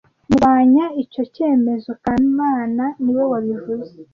Ndwanya icyo cyemezo kamana niwe wabivuze